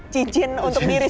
cincin untuk mirip mirip ya